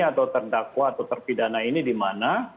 atau terdakwa atau terpidana ini di mana